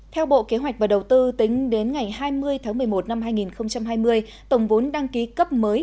theo bộ kế hoạch và đầu tư tính đến ngày hai mươi tháng một mươi một năm hai nghìn hai mươi tổng vốn đăng ký cấp mới